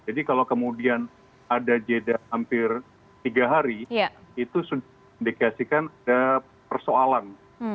jadi kalau kemudian ada jeda hampir tiga hari itu sudah diindikasikan ada persoalan